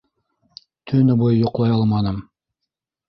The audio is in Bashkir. Төнө буйы йоҡлай алманым.